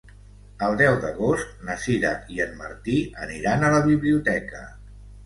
El deu d'agost na Sira i en Martí aniran a la biblioteca.